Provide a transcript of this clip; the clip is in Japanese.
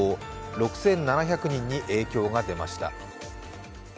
６７００人に影響が出ました。